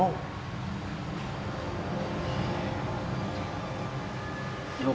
ยังเก้ออีกอ่ะ